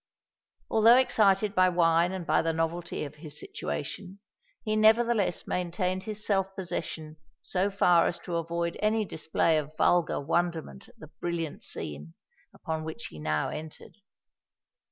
Although excited by wine and by the novelty of his situation, he nevertheless maintained his self possession so far as to avoid any display of vulgar wonderment at the brilliant scene upon which he now entered.